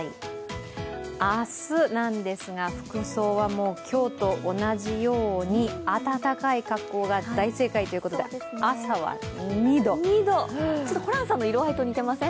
明日なんですが、服装は今日と同じように暖かい格好が大正解ということで、ホランさんの色合いと似てません？